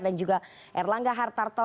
dan juga erlangga hartarto